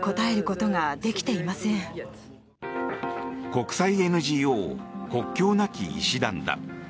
国際ＮＧＯ国境なき医師団だ。